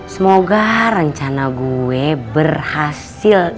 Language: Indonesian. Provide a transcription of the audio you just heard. semoga rencana gue berhasil